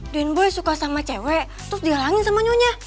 aden boy suka sama cewek terus dihalangi sama nyonya